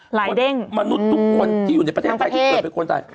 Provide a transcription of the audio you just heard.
หลายเด้งทั้งประเทศมนุษย์ทุกคนที่อยู่ในประเทศไทยที่เกิดไปคนไทย